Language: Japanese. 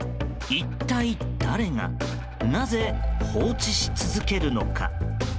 一体誰がなぜ、放置し続けるのか。